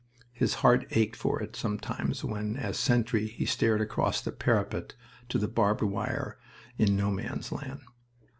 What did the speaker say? His heart ached for it sometimes when, as sentry, he stared across the parapet to the barbed wire in No Man's Land.